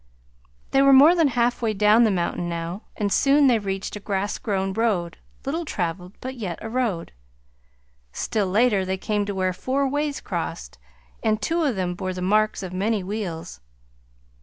They were more than halfway down the mountain now, and soon they reached a grass grown road, little traveled, but yet a road. Still later they came to where four ways crossed, and two of them bore the marks of many wheels.